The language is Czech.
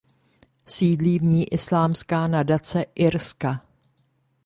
Sídlí v ní Islámská nadace Irska.